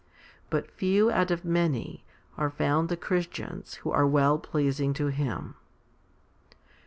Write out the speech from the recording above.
But few out of many are found the Christians who are well pleasing to Him.